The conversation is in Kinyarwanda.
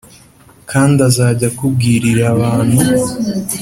Kandi azajya akubwirira abantu